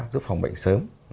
giúp phòng bệnh sớm